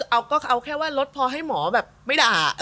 เอาแค่ว่าลดพอให้หมอแบบไม่ด่า